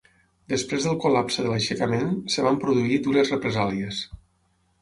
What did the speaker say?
Després del col·lapse de l'aixecament, es van produir dures represàlies.